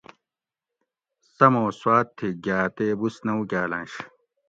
سمو سوات تھی گھاۤ تے بُھس نہ اُکاۤلنش